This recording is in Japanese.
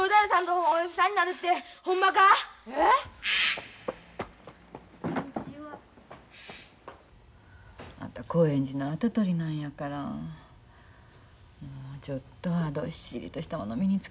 こんにちは。あんた興園寺の跡取りなんやからもうちょっとはどっしりとしたもの身につけなあかんよ。